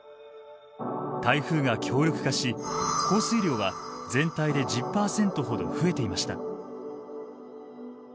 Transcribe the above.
台風が強力化し降水量は全体で１０％ほど増えていました。